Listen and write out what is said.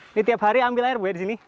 ini tiap hari ambil air bu ya disini